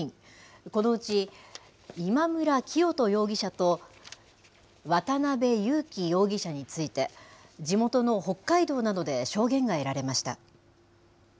このうち、今村磨人容疑者と渡邉優樹容疑者について、地元の北海道などで証言が得られました。